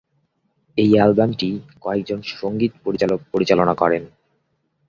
এই অ্যালবামটি কয়েকজন সংগীত পরিচালক পরিচালনা করেন।